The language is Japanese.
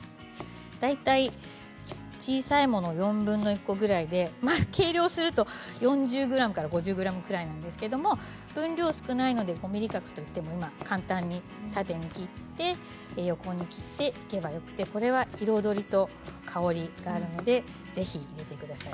大体小さいものを４分の１個ぐらいで計量すると４０ｇから５０ｇぐらいなんですけど分量は少ないので５ｍｍ角といっても簡単に縦に切って横に切っていけばよくてこれは彩りと香りがあるのでぜひ入れてください。